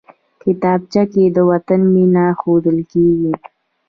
کتابچه کې د وطن مینه ښودل کېږي